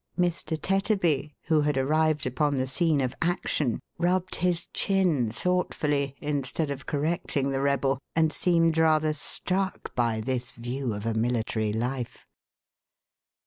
Mr. Tetterby, who had arrived upon the scene of action, rubbed his chin thoughtfully, instead of correcting the rebel, and seemed rather struck by this view of a military life.